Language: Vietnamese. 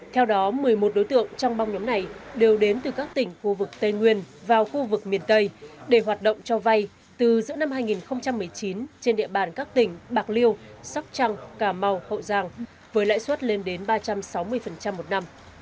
theo đó một mươi một đối tượng trong băng nhóm này đều đến từ các tỉnh khu vực tây nguyên vào khu vực miền tây để hoạt động cho vay từ giữa năm hai nghìn một mươi chín trên địa bàn các tỉnh bạc liêu sóc trăng cà mau hậu giang với lãi suất lên đến ba trăm sáu mươi một năm